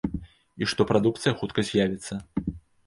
І што прадукцыя хутка з'явіцца.